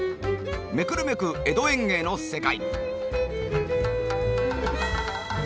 めくるめく江戸園芸の世界。